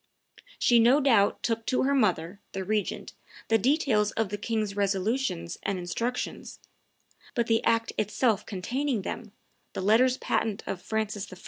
She no doubt took to her mother, the regent, the details of the king's resolutions and instructions; but the act itself containing them, the letters patent of Francis I.